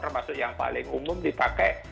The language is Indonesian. termasuk yang paling umum dipakai